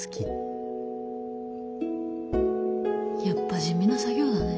やっぱ地味な作業だね。